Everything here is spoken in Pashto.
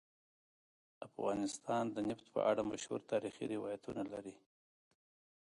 افغانستان د نفت په اړه مشهور تاریخی روایتونه لري.